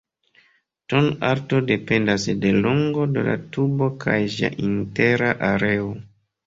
Ton-alto dependas de longo de la tubo kaj ĝia intera areo.